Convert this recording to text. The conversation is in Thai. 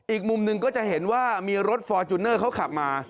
อีกมุมหนึ่งก็จะเห็นว่ามีรถฟอร์จูเนอร์เขาขับมา